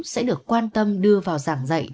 sẽ được quan tâm đưa vào giảng dạy